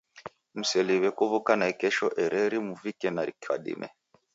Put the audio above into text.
Mseliw'e kuw'uka naikesho ereri muvike na kadime.